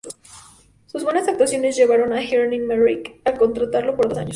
Sus buenas actuaciones llevaron a Ernie Merrick a contratarlo por dos años.